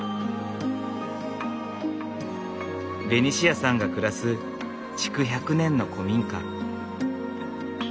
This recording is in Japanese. ベニシアさんが暮らす築１００年の古民家。